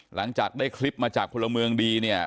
หลังจากได้คลิปมาจากพลเมืองดีเนี่ย